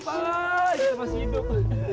gapalah kita masih hidup